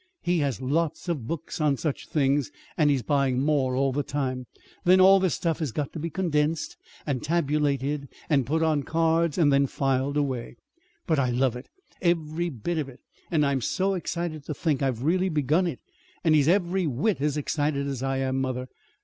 He has lots of books on such things, and he's buying more all the time. Then all this stuff has got to be condensed and tabulated and put on cards and filed away. But I love it every bit of it; and I'm so excited to think I've really begun it. And he's every whit as excited as I am, mother.